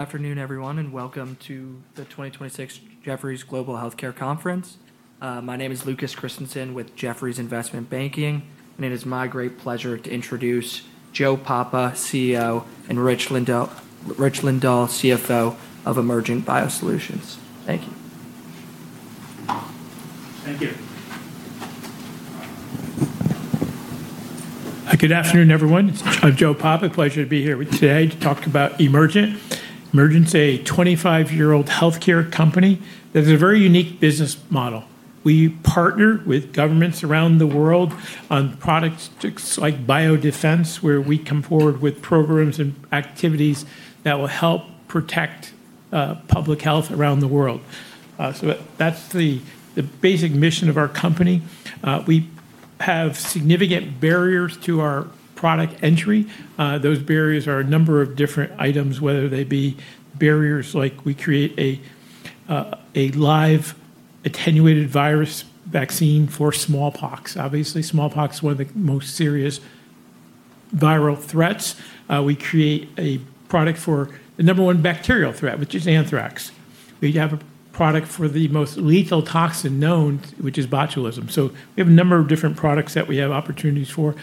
Afternoon, everyone, and welcome to the 2026 Jefferies Global Healthcare Conference. My name is Lucas Christensen with Jefferies Investment Banking, and it is my great pleasure to introduce Joe Papa, CEO, and Rich Lindahl, CFO of Emergent BioSolutions. Thank you. Thank you. Good afternoon, everyone. Joe Papa, pleasure to be here today to talk about Emergent. Emergent's a 25-year-old healthcare company that has a very unique business model. We partner with governments around the world on products like biodefense, where we come forward with programs and activities that will help protect public health around the world. That's the basic mission of our company. We have significant barriers to our product entry. Those barriers are a number of different items, whether they be barriers like we create a live attenuated virus vaccine for smallpox. Obviously, smallpox, one of the most serious viral threats. We create a product for the number one bacterial threat, which is anthrax. We have a product for the most lethal toxin known, which is botulism. We have a number of different products that we have opportunities for.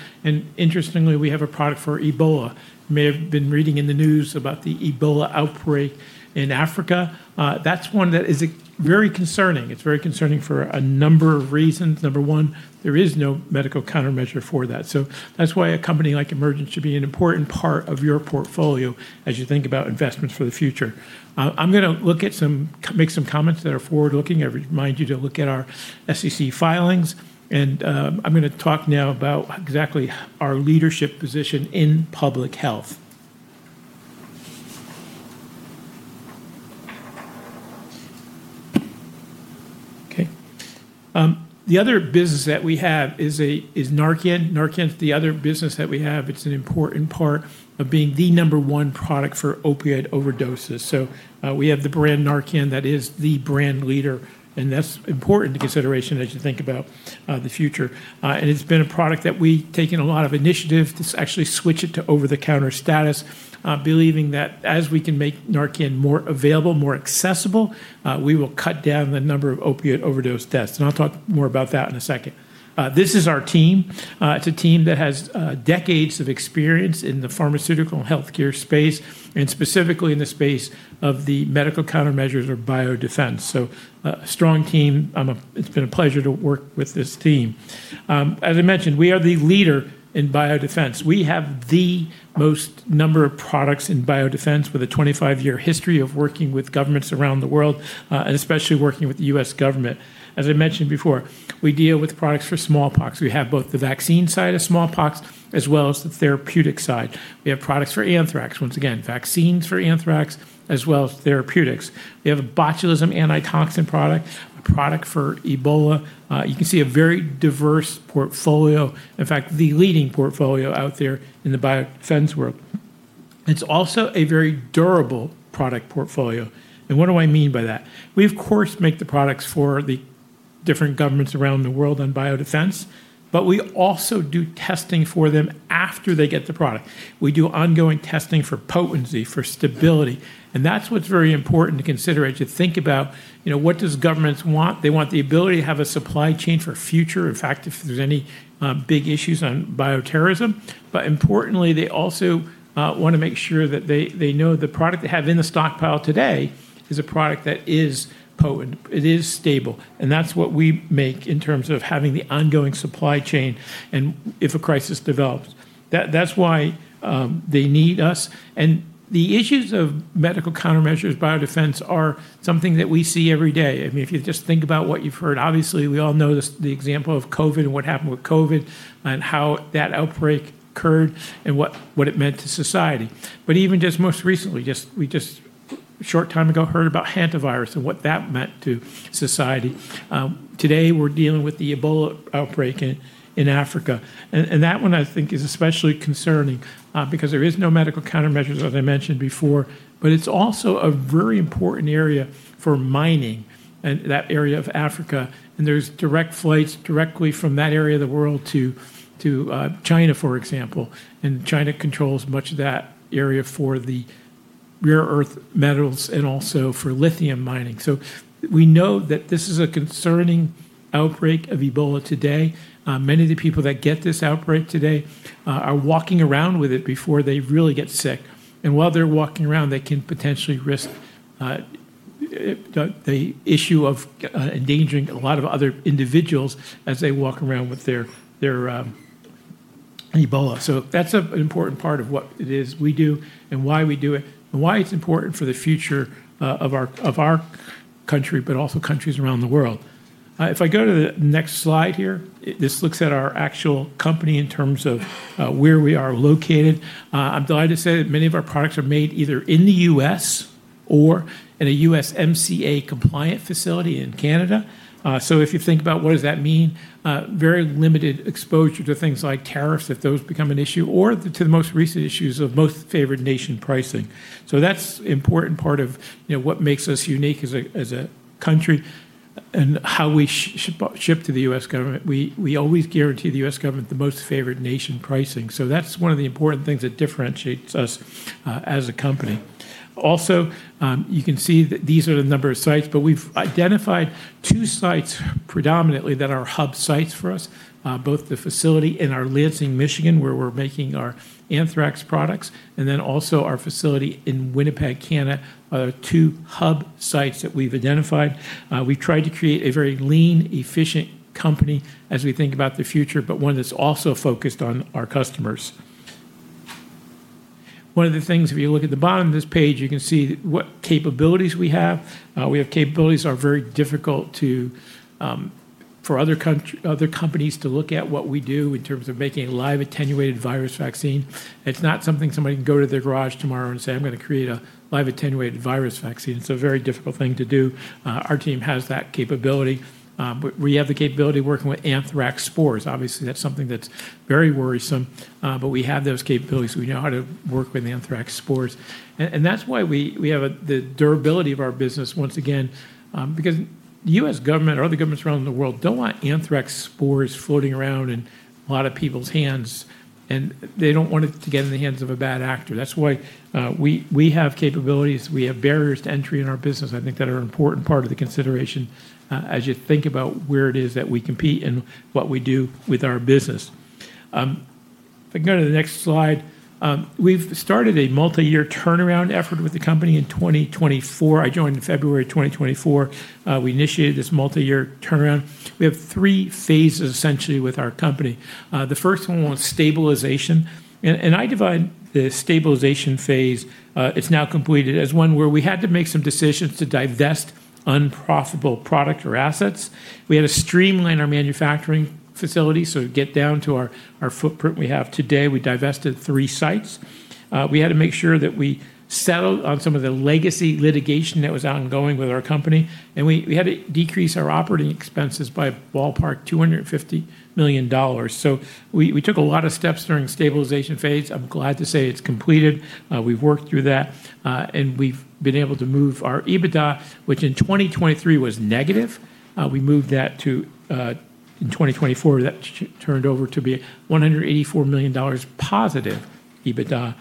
Interestingly, we have a product for Ebola. You may have been reading in the news about the Ebola outbreak in Africa. That's one that is very concerning. It's very concerning for a number of reasons. Number one, there is no medical countermeasure for that. That's why a company like Emergent should be an important part of your portfolio as you think about investments for the future. I'm going to make some comments that are forward-looking. I remind you to look at our SEC filings. I'm going to talk now about exactly our leadership position in public health. Okay. The other business that we have is NARCAN. NARCAN is the other business that we have. It's an important part of being the number one product for opiate overdoses. We have the brand NARCAN that is the brand leader. That's important consideration as you think about the future. It's been a product that we've taken a lot of initiative to actually switch it to over-the-counter status, believing that as we can make NARCAN more available, more accessible, we will cut down the number of opiate overdose deaths. I'll talk more about that in a second. This is our team. It's a team that has decades of experience in the pharmaceutical and healthcare space, and specifically in the space of the medical countermeasures or biodefense. A strong team. It's been a pleasure to work with this team. As I mentioned, we are the leader in biodefense. We have the most number of products in biodefense with a 25-year history of working with governments around the world, and especially working with the U.S. government. As I mentioned before, we deal with products for smallpox. We have both the vaccine side of smallpox as well as the therapeutic side. We have products for anthrax. Once again, vaccines for anthrax as well as therapeutics. We have a botulism antitoxin product, a product for Ebola. You can see a very diverse portfolio. The leading portfolio out there in the biodefense world. It's also a very durable product portfolio. What do I mean by that? We of course, make the products for the different governments around the world on biodefense, but we also do testing for them after they get the product. We do ongoing testing for potency, for stability, and that's what's very important to consider as you think about what does governments want. They want the ability to have a supply chain for future if there's any big issues on bioterrorism. Importantly, they also want to make sure that they know the product they have in the stockpile today is a product that is potent, it is stable, and that's what we make in terms of having the ongoing supply chain and if a crisis develops. That's why they need us. The issues of medical countermeasures, biodefense, are something that we see every day. If you just think about what you've heard, obviously we all know the example of COVID and what happened with COVID and how that outbreak occurred and what it meant to society. Even just most recently, we just a short time ago, heard about hantavirus and what that meant to society. Today we're dealing with the Ebola outbreak in Africa, that one, I think, is especially concerning because there is no medical countermeasures, as I mentioned before. It's also a very important area for mining in that area of Africa. There's direct flights directly from that area of the world to China, for example. China controls much of that area for the rare earth metals and also for lithium mining. We know that this is a concerning outbreak of Ebola today. Many of the people that get this outbreak today are walking around with it before they really get sick. While they're walking around, they can potentially risk the issue of endangering a lot of other individuals as they walk around with their Ebola. That's an important part of what it is we do and why we do it, and why it's important for the future of our country, but also countries around the world. If I go to the next slide here, this looks at our actual company in terms of where we are located. I'm delighted to say that many of our products are made either in the U.S. or in a USMCA compliant facility in Canada. If you think about what does that mean, very limited exposure to things like tariffs, if those become an issue, or to the most recent issues of most favored nation pricing. That's important part of what makes us unique as a country and how we ship to the U.S. government. We always guarantee the U.S. government the most favored nation pricing. That's one of the important things that differentiates us as a company. Also, you can see that these are the number of sites, but we've identified two sites predominantly that are hub sites for us, both the facility in our Lansing, Michigan, where we're making our anthrax products, and then also our facility in Winnipeg, Canada, are two hub sites that we've identified. We tried to create a very lean, efficient company as we think about the future, but one that's also focused on our customers. One of the things, if you look at the bottom of this page, you can see what capabilities we have. We have capabilities that are very difficult for other companies to look at what we do in terms of making a live attenuated virus vaccine. It's not something somebody can go to their garage tomorrow and say, "I'm going to create a live attenuated virus vaccine." It's a very difficult thing to do. Our team has that capability. We have the capability of working with anthrax spores. Obviously, that's something that's very worrisome. We have those capabilities. We know how to work with anthrax spores. That's why we have the durability of our business once again. Because the U.S. government or other governments around the world don't want anthrax spores floating around in a lot of people's hands, and they don't want it to get in the hands of a bad actor. That's why we have capabilities. We have barriers to entry in our business, I think that are an important part of the consideration as you think about where it is that we compete and what we do with our business. If I can go to the next slide. We've started a multi-year turnaround effort with the company in 2024. I joined in February 2024. We initiated this multi-year turnaround. We have three phases, essentially, with our company. The first one was stabilization. I define the stabilization phase, it's now completed, as one where we had to make some decisions to divest unprofitable product or assets. We had to streamline our manufacturing facility, so get down to our footprint we have today. We divested three sites. We had to make sure that we settled on some of the legacy litigation that was ongoing with our company. We had to decrease our operating expenses by ballpark $250 million. We took a lot of steps during the stabilization phase. I'm glad to say it's completed. We've worked through that, and we've been able to move our EBITDA, which in 2023 was negative. We moved that to, in 2024, that turned over to be $184 million+ EBITDA.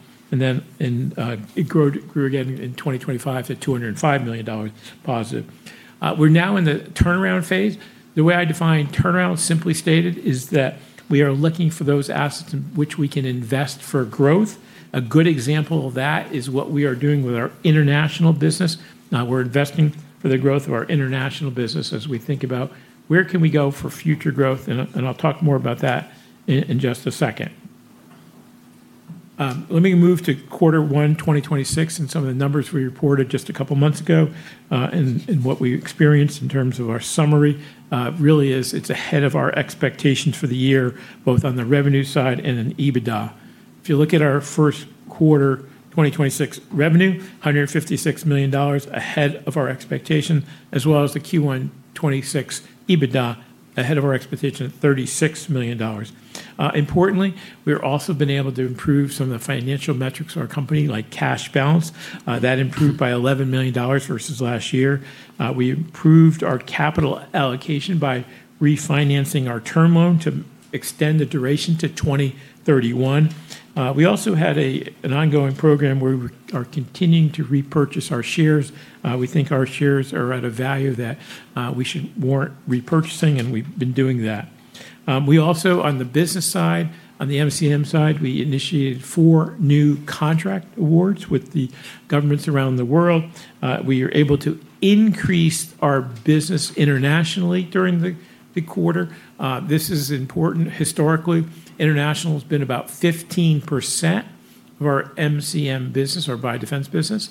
It grew again in 2025 to $205 million+. We're now in the turnaround phase. The way I define turnaround, simply stated, is that we are looking for those assets in which we can invest for growth. A good example of that is what we are doing with our international business. Now we're investing for the growth of our international business as we think about where can we go for future growth, and I'll talk more about that in just a second. Let me move to quarter one 2026 and some of the numbers we reported just a couple of months ago, and what we experienced in terms of our summary. It's ahead of our expectations for the year, both on the revenue side and in EBITDA. If you look at our first quarter 2026 revenue, $156 million ahead of our expectation, as well as the Q1 2026 EBITDA ahead of our expectation at $36 million. Importantly, we've also been able to improve some of the financial metrics of our company, like cash balance. That improved by $11 million versus last year. We improved our capital allocation by refinancing our term loan to extend the duration to 2031. We also had an ongoing program where we are continuing to repurchase our shares. We think our shares are at a value that we should warrant repurchasing, and we've been doing that. We also, on the business side, on the MCM side, we initiated four new contract awards with the governments around the world. We are able to increase our business internationally during the quarter. This is important. Historically, international has been about 15% of our MCM business, our biodefense business.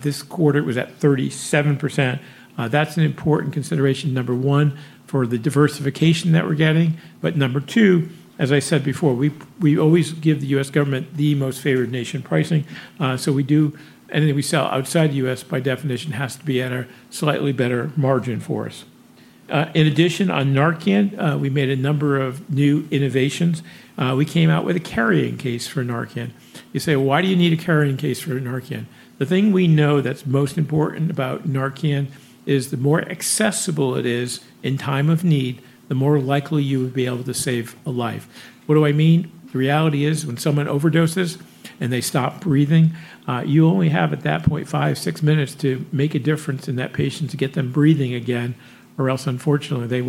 This quarter, it was at 37%. That's an important consideration, number one, for the diversification that we're getting. Number two, as I said before, we always give the U.S. government the most favored nation pricing. Anything we sell outside the U.S., by definition, has to be at a slightly better margin for us. In addition, on NARCAN, we made a number of new innovations. We came out with a carrying case for NARCAN. You say, "Why do you need a carrying case for NARCAN?" The thing we know that's most important about NARCAN is the more accessible it is in time of need, the more likely you would be able to save a life. What do I mean? The reality is when someone overdoses and they stop breathing, you only have, at that point, five, six minutes to make a difference in that patient to get them breathing again, or else, unfortunately, they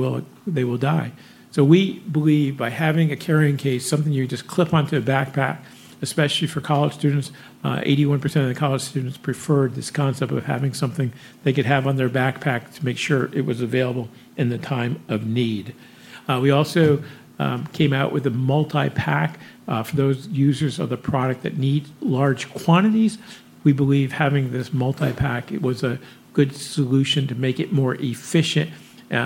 will die. We believe by having a carrying case, something you just clip onto a backpack, especially for college students, 81% of the college students preferred this concept of having something they could have on their backpack to make sure it was available in the time of need. We also came out with a multi-pack for those users of the product that need large quantities. We believe having this multi-pack, it was a good solution to make it more efficient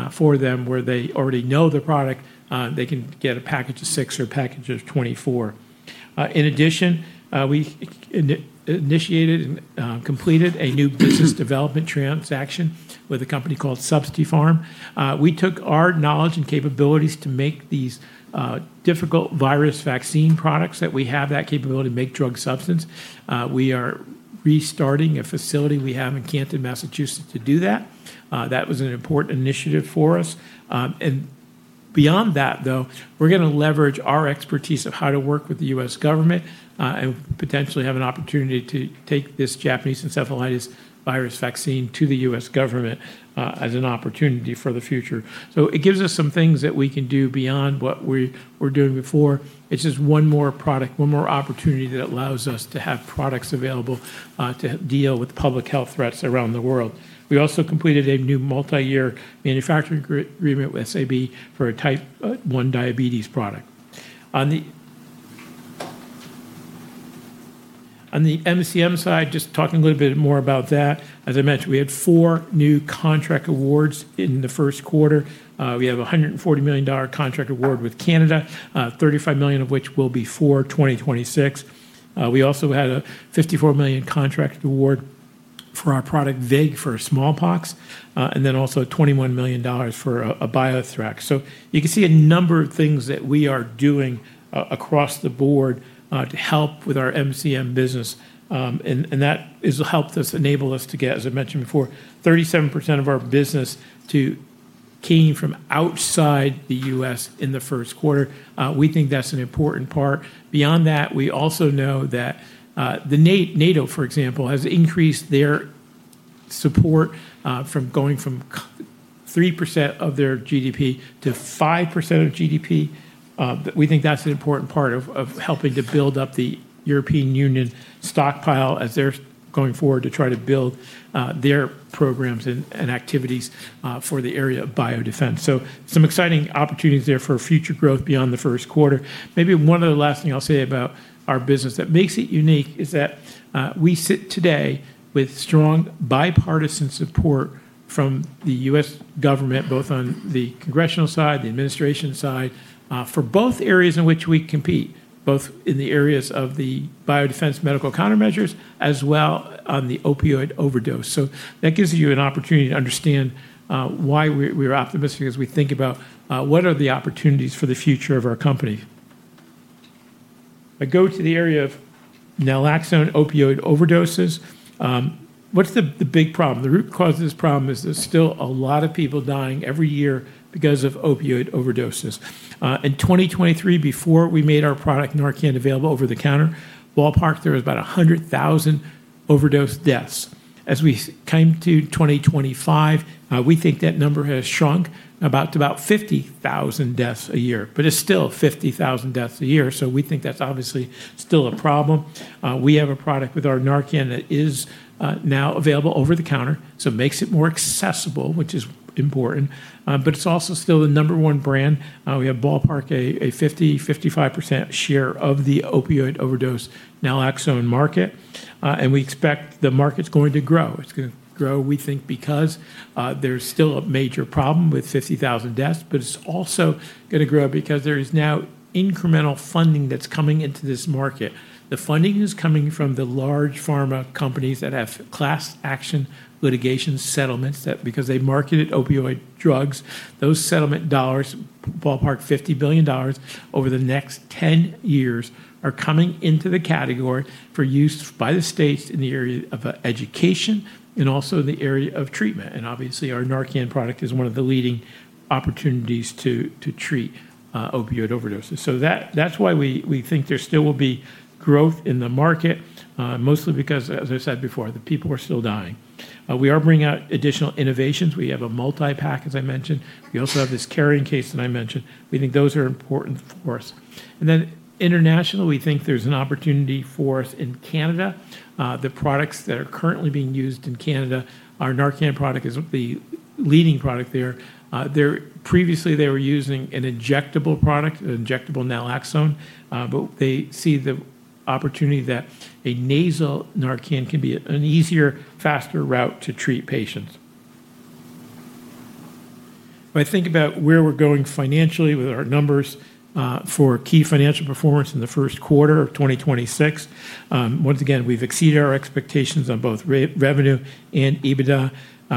for them, where they already know the product. They can get a package of six or a package of 24. In addition, we initiated and completed a new business development transaction with a company called Substipharm. We took our knowledge and capabilities to make these difficult virus vaccine products that we have that capability to make drug substance. We are restarting a facility we have in Canton, Massachusetts, to do that. That was an important initiative for us. Beyond that, though, we're going to leverage our expertise of how to work with the U.S. government, and potentially have an opportunity to take this Japanese encephalitis virus vaccine to the U.S. government as an opportunity for the future. It gives us some things that we can do beyond what we were doing before. It's just one more product, one more opportunity that allows us to have products available to deal with public health threats around the world. We also completed a new multi-year manufacturing agreement with SAB for a type 1 diabetes product. On the MCM side, just talking a little bit more about that, as I mentioned, we had four new contract awards in the first quarter. We have a $140 million contract award with Canada, $35 million of which will be for 2026. We also had a $54 million contract award for our product VIGIV for smallpox, and then also $21 million for a BioThrax. You can see a number of things that we are doing across the board to help with our MCM business. That has enabled us to get, as I mentioned before, 37% of our business came from outside the U.S. in the first quarter. We think that's an important part. Beyond that, we also know that NATO, for example, has increased their support from going from 3% of their GDP to 5% of GDP. We think that's an important part of helping to build up the European Union stockpile as they're going forward to try to build their programs and activities for the area of biodefense. Some exciting opportunities there for future growth beyond the first quarter. Maybe one other last thing I'll say about our business that makes it unique is that we sit today with strong bipartisan support from the U.S. government, both on the congressional side, the administration side, for both areas in which we compete, both in the areas of the biodefense medical countermeasures, as well on the opioid overdose. That gives you an opportunity to understand why we're optimistic as we think about what are the opportunities for the future of our company. I go to the area of naloxone opioid overdoses. What's the big problem? The root cause of this problem is there's still a lot of people dying every year because of opioid overdoses. In 2023, before we made our product NARCAN available over the counter, ballpark, there was about 100,000 overdose deaths. As we came to 2025, we think that number has shrunk about to about 50,000 deaths a year. It's still 50,000 deaths a year, so we think that's obviously still a problem. We have a product with our NARCAN that is now available over the counter, so it makes it more accessible, which is important. It's also still the number one brand. We have ballpark a 50%-55% share of the opioid overdose naloxone market. We expect the market's going to grow. It's going to grow, we think, because there's still a major problem with 50,000 deaths, but it's also going to grow because there is now incremental funding that's coming into this market. The funding is coming from the large pharma companies that have class action litigation settlements. That because they marketed opioid drugs, those settlement dollars, ballpark $50 billion over the next 10 years, are coming into the category for use by the states in the area of education and also the area of treatment. Obviously, our NARCAN product is one of the leading opportunities to treat opioid overdoses. That's why we think there still will be growth in the market, mostly because, as I said before, the people are still dying. We are bringing out additional innovations. We have a multi-pack, as I mentioned. We also have this carrying case that I mentioned. We think those are important for us. Then internationally, we think there's an opportunity for us in Canada. The products that are currently being used in Canada, our NARCAN product isn't the leading product there. Previously, they were using an injectable product, an injectable naloxone. They see the opportunity that a nasal NARCAN can be an easier, faster route to treat patients. If I think about where we're going financially with our numbers for key financial performance in the first quarter of 2026, once again, we've exceeded our expectations on both revenue and EBITDA.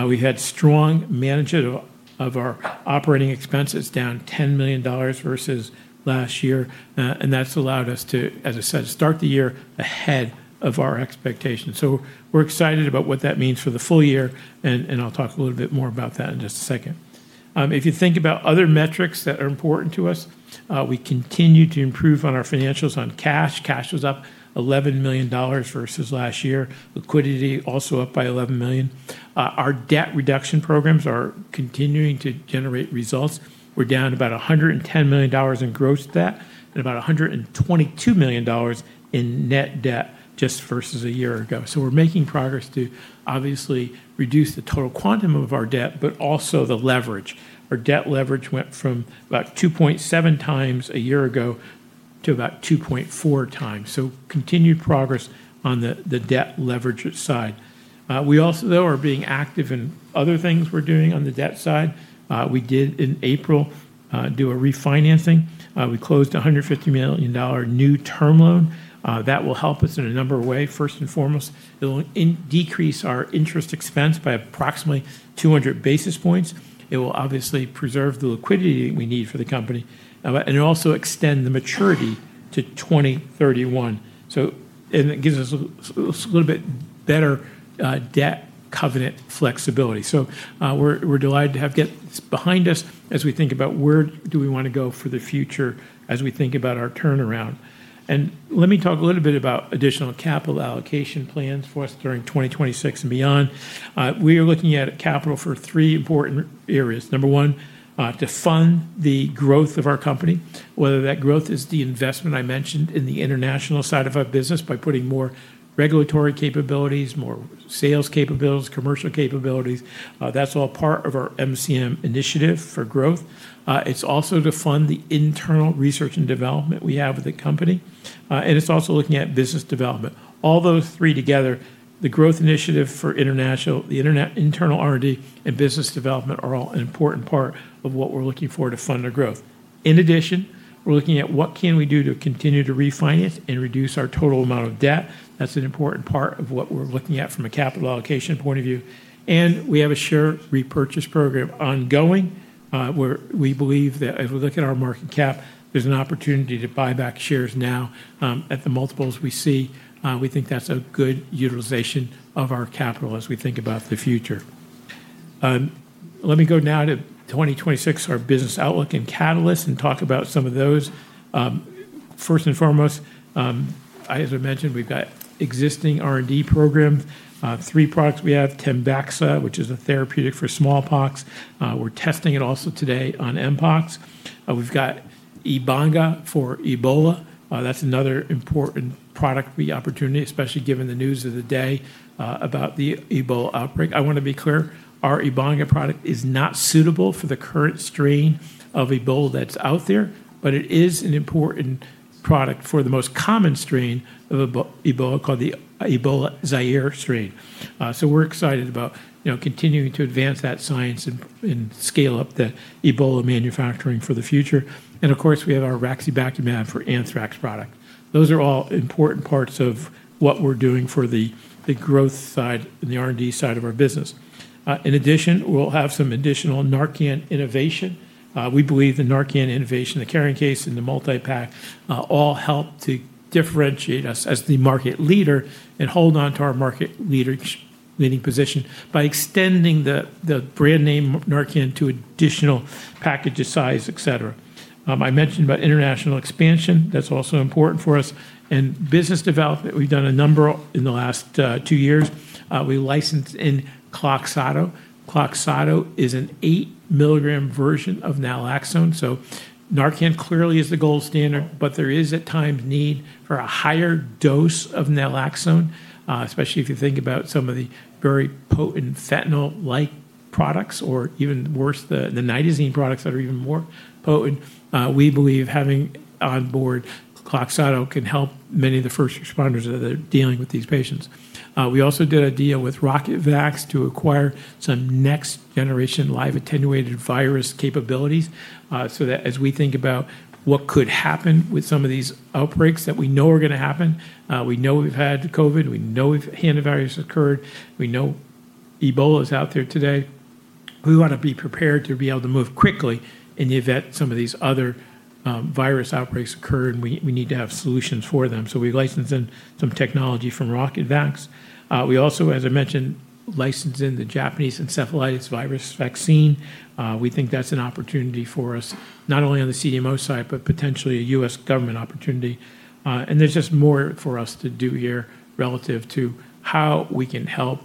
We've had strong management of our operating expenses, down $10 million versus last year. That's allowed us to, as I said, start the year ahead of our expectations. We're excited about what that means for the full year, and I'll talk a little bit more about that in just a second. If you think about other metrics that are important to us, we continue to improve on our financials on cash. Cash was up $11 million versus last year. Liquidity also up by $11 million. Our debt reduction programs are continuing to generate results. We're down about $110 million in gross debt and about $122 million in net debt just versus a year ago. We're making progress to obviously reduce the total quantum of our debt, but also the leverage. Our debt leverage went from about 2.7 times a year ago to about 2.4 times. Continued progress on the debt leverage side. We also, though, are being active in other things we're doing on the debt side. We did, in April, do a refinancing. We closed a $150 million new term loan. That will help us in a number of ways. First and foremost, it'll decrease our interest expense by approximately 200 basis points. It will obviously preserve the liquidity that we need for the company. It'll also extend the maturity to 2031, and it gives us a little bit better debt covenant flexibility. We're delighted to have that behind us as we think about where do we want to go for the future as we think about our turnaround. Let me talk a little bit about additional capital allocation plans for us during 2026 and beyond. We are looking at capital for three important areas. Number one, to fund the growth of our company, whether that growth is the investment I mentioned in the international side of our business by putting more regulatory capabilities, more sales capabilities, commercial capabilities. That's all part of our MCM initiative for growth. It's also to fund the internal research and development we have with the company. It's also looking at business development. All those three together, the growth initiative for international, the internal R&D, and business development are all an important part of what we're looking for to fund our growth. In addition, we're looking at what can we do to continue to refinance and reduce our total amount of debt. That's an important part of what we're looking at from a capital allocation point of view. We have a share repurchase program ongoing. We believe that if we look at our market cap, there's an opportunity to buy back shares now, at the multiples we see. We think that's a good utilization of our capital as we think about the future. Let me go now to 2026, our business outlook and catalyst, and talk about some of those. First and foremost, as I mentioned, we've got existing R&D program. Three products we have, TEMBEXA, which is a therapeutic for smallpox. We're testing it also today on mpox. We've got EBANGA for Ebola. That's another important product opportunity, especially given the news of the day about the Ebola outbreak. I want to be clear, our Ebola product is not suitable for the current strain of Ebola that's out there, but it is an important product for the most common strain of Ebola, called the Ebola Zaire strain. We're excited about continuing to advance that science and scale up the Ebola manufacturing for the future. Of course, we have our raxibacumab for anthrax product. Those are all important parts of what we're doing for the growth side and the R&D side of our business. In addition, we'll have some additional NARCAN innovation. We believe the NARCAN innovation, the carrying case, and the multi-pack all help to differentiate us as the market leader and hold onto our market-leading position by extending the brand name NARCAN to additional package size, et cetera. I mentioned about international expansion. That's also important for us. In business development, we've done a number in the last two years. We licensed in KLOXXADO. KLOXXADO is an 8 mg version of naloxone. NARCAN clearly is the gold standard, but there is at times need for a higher dose of naloxone, especially if you think about some of the very potent fentanyl-like products, or even worse, the nitazenes products that are even more potent. We believe having onboard KLOXXADO can help many of the first responders that are dealing with these patients. We also did a deal with RocketVax to acquire some next-generation live attenuated virus capabilities, so that as we think about what could happen with some of these outbreaks that we know are going to happen. We know we've had COVID, we know hantavirus occurred, we know Ebola's out there today. We want to be prepared to be able to move quickly in the event some of these other virus outbreaks occur, and we need to have solutions for them. We've licensed in some technology from RocketVax. We also, as I mentioned, licensed in the Japanese encephalitis virus vaccine. We think that's an opportunity for us, not only on the CDMO side, but potentially a U.S. government opportunity. There's just more for us to do here relative to how we can help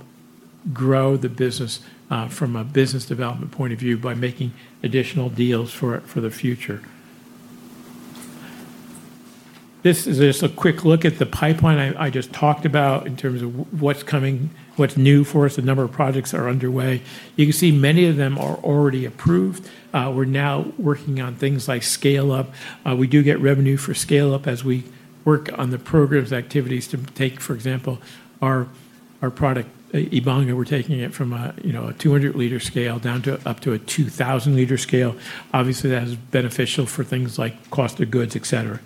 grow the business from a business development point of view by making additional deals for the future. This is just a quick look at the pipeline I just talked about in terms of what's coming, what's new for us. A number of projects are underway. You can see many of them are already approved. We're now working on things like scale-up. We do get revenue for scale-up as we work on the program's activities to take, for example, our product, EBANGA. We're taking it from a 200 L scale up to a 2,000 L scale. Obviously, that is beneficial for things like cost of goods, et cetera.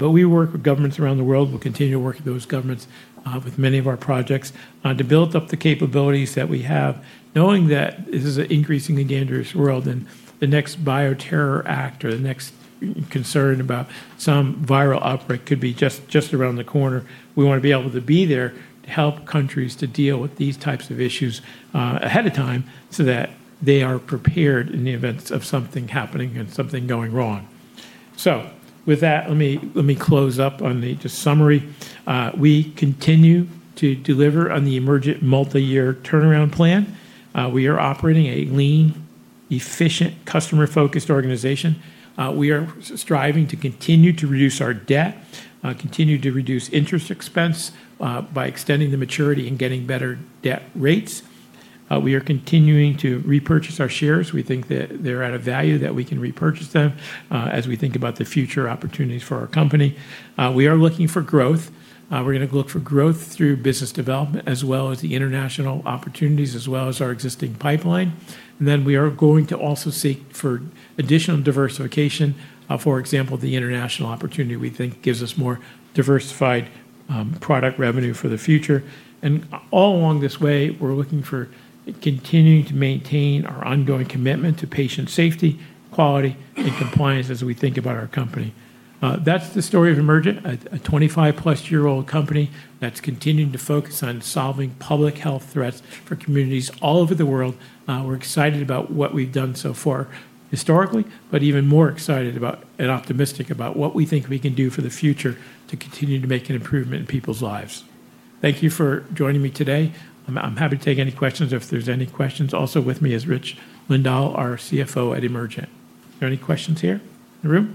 We work with governments around the world. We'll continue to work with those governments with many of our projects to build up the capabilities that we have, knowing that this is an increasingly dangerous world and the next bioterror act or the next concern about some viral outbreak could be just around the corner. We want to be able to be there to help countries to deal with these types of issues ahead of time so that they are prepared in the event of something happening and something going wrong. With that, let me close up on the summary. We continue to deliver on the Emergent multi-year turnaround plan. We are operating a lean, efficient, customer-focused organization. We are striving to continue to reduce our debt, continue to reduce interest expense by extending the maturity and getting better debt rates. We are continuing to repurchase our shares. We think that they're at a value that we can repurchase them as we think about the future opportunities for our company. We are looking for growth. We're going to look for growth through business development, as well as the international opportunities, as well as our existing pipeline. We are going to also seek for additional diversification. For example, the international opportunity we think gives us more diversified product revenue for the future. All along this way, we're looking for continuing to maintain our ongoing commitment to patient safety, quality, and compliance as we think about our company. That's the story of Emergent, a 25-plus-year-old company that's continuing to focus on solving public health threats for communities all over the world. We're excited about what we've done so far historically, but even more excited about and optimistic about what we think we can do for the future to continue to make an improvement in people's lives. Thank you for joining me today. I'm happy to take any questions if there's any questions. Also with me is Rich Lindahl, our CFO at Emergent. Are there any questions here in the room?